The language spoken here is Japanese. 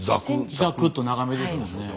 ザクッと長めですもんね。